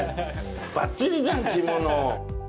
ばっちりじゃん、着物。